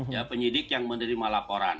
ya penyidik yang menerima laporan